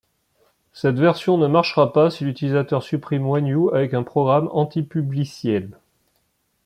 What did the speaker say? Cette version ne marchera pas si l'utilisateur supprime WhenU avec un programme anti-publiciel.